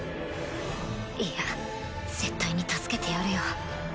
いや絶対に助けてやるよ